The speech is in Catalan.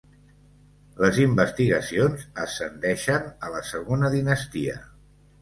Les investigacions ascendeixen a la segona dinastia.